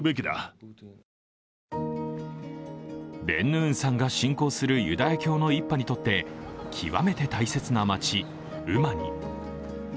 ベンヌーンさんが信仰するユダヤ教の一派にとって極めて大切な街、ウマニ。